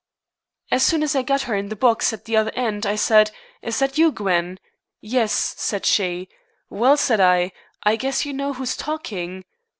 "As soon as I got her in the box at the other end, I said, 'Is that you, Gwen?' 'Yes,' said she. 'Well,' said I, 'I guess you know who's talking?'